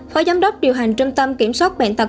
phó giám đốc điều hành trung tâm kiểm soát bệnh tật